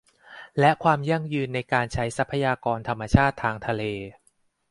และความยั่งยืนในการใช้ทรัพยากรธรรมชาติทางทะเล